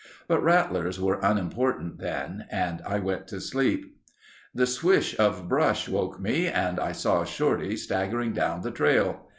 But rattlers were unimportant then and I went to sleep. The swish of brush awoke me and I saw Shorty staggering down the trail.